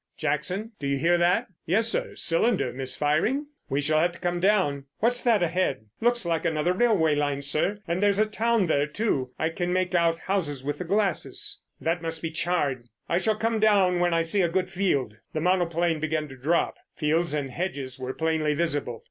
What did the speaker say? "Jackson, do you hear that?" "Yes, sir—cylinder misfiring?" "We shall have to come down. What's that ahead?" "Looks like another railway line, sir; and there is a town there, too—I can make out houses with the glasses." "That must be Chard. I shall come down when I see a good field." The monoplane began to drop. Fields and hedges were plainly visible.